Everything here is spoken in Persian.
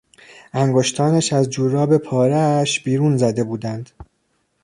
انگشتانش از جوراب پارهاش بیرون زده بودند.